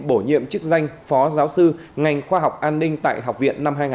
bổ nhiệm chức danh phó giáo sư ngành khoa học an ninh tại học viện năm hai nghìn hai mươi